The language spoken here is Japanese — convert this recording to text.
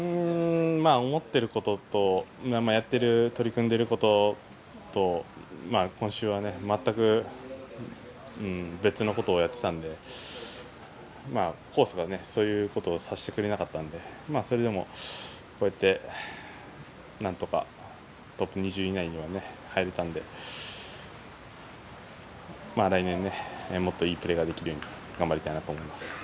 思っていることとやってる、取り組んでることと今週は全く別のことをやっていたんでコースがそういうことをさせてくれなかったのでそれでも、こうやってなんとかトップ２０以内には入れたんで来年、もっといいプレーができるように頑張りたいなと思います。